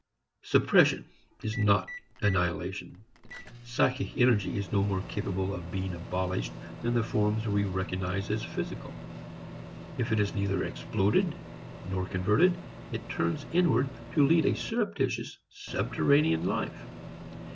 Suppression is not annihilation. "Psychic" energy is no more capable of being abolished than the forms we recognize as physical. If it is neither exploded nor converted, it is turned inwards, to lead a surreptitious, subterranean life.